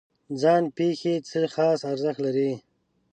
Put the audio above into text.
ځان پېښې څه خاص ارزښت لري؟